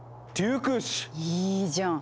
いいじゃん！